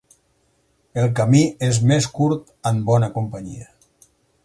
El camí és més curt amb bona companyia.